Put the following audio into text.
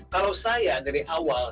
kalau saya dari awal